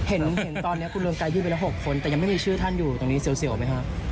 เห็นตอนนี้คุณรวมกายยืนไปละ๖คนแต่ยังไม่มีชื่อท่านอยู่ตรงนี้เสี่ยวไหมครับ